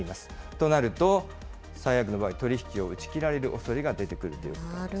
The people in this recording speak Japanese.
となると、最悪の場合、取り引きを打ち切られるおそれが出てくるということなんですね。